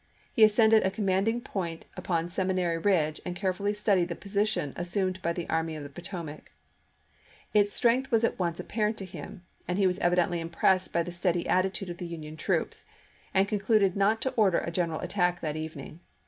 He ascended a commanding point upon Seminary Ridge and carefully studied the position assumed by the Army of the Potomac. Its strength was at once apparent to him, and he was evidently impressed by the steady attitude of the Union troops, and concluded not to order a gen eral attack that evening.